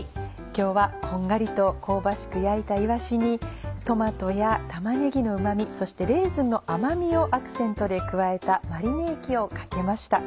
今日はこんがりと香ばしく焼いたいわしにトマトや玉ねぎのうま味そしてレーズンの甘みをアクセントで加えたマリネ液をかけました